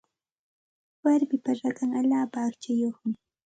Warmipa rakan allaapa aqchayuqmi.